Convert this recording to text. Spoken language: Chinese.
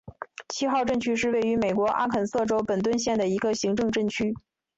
七号镇区是位于美国阿肯色州本顿县的一个行政镇区。